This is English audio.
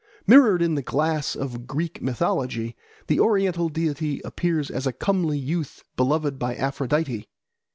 Mirrored in the glass of Greek mythology, the oriental deity appears as a comely youth beloved by Aphrodite.